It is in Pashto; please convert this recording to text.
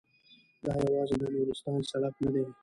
دا یوازې د نورستان سړک نه دی.